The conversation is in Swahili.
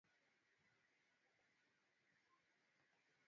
kompyuta na intaneti yalienea hapa haraka kushinda sehemu nyingine